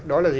đó là gì